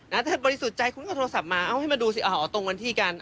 ถ้าเธอบริสุจัยคุ้มกับโทรศัพท์มาให้มาดูสิอ๋อตรงวันที่กัน